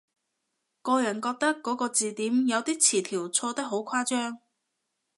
個人覺得嗰個字典有啲詞條錯得好誇張